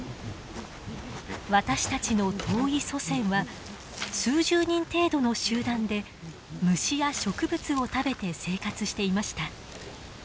私たちの遠い祖先は数十人程度の集団で虫や植物を食べて生活していました。